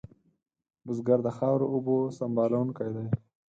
بزګر د خاورو اوبو سنبالونکی دی